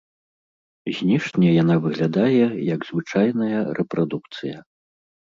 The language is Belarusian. Знешне яна выглядае, як звычайная рэпрадукцыя.